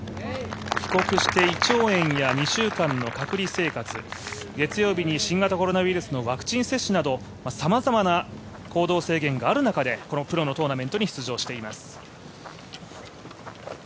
帰国して胃腸炎や２週間の隔離生活月曜日に新型コロナウイルスのワクチン接種など、さまざまな行動制限がある中でこのプロのトーナメントに出場しています。